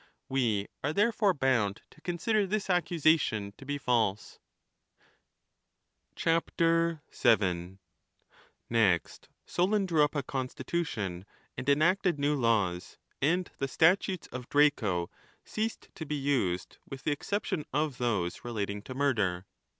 We are therefore bound to consider this accusation to be false. 7. Next Solon drew up a constitution and enacted new laws ; and the statutes of Draco ceased to be used with the exception of those relating to murder.